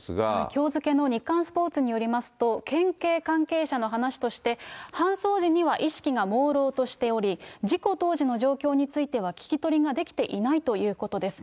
きょう付けの日刊スポーツによりますと、県警関係者の話として、搬送時には意識がもうろうとしており、事故当時の状況については聞き取りができていないということです。